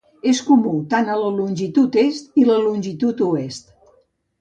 És comú tant a la longitud est i la longitud oest.